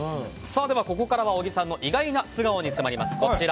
ではここからは小木さんの意外な素顔に迫ります。